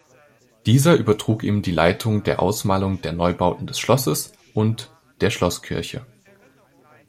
Dieser übertrug ihm die Leitung der Ausmalung der Neubauten des Schlosses und der Schlosskirche.